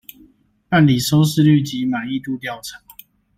辦理收視率及滿意度調查